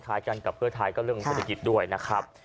กันกับเพื่อไทยก็เรื่องเศรษฐกิจด้วยนะครับ